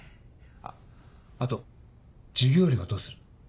あと授業料はどうする？